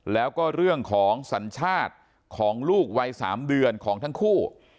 แล้วก็เรื่องของสัญชาติของลูกวัย๓เดือนของทั้งคู่